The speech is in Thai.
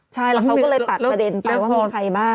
ใช่แล้วเขาก็เลยตัดประเด็นไปว่ามีใครบ้าง